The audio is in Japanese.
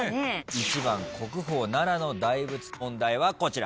１番国宝奈良の大仏問題はこちら。